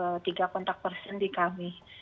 yang masuk ke tiga kontak person di kami